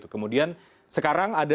kemudian sekarang ada